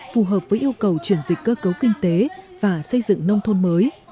phù hợp với yêu cầu chuyển dịch cơ cấu kinh tế và xây dựng nông thôn mới